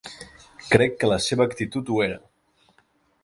Crec que la seva actitud ho era.